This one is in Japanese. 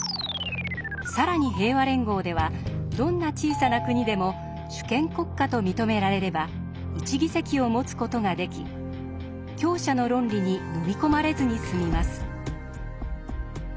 更に平和連合ではどんな小さな国でも主権国家と認められれば１議席を持つ事ができ強者の論理にのみ込まれずにすみます。